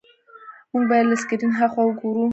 موږ باید له سکرین هاخوا وګورو.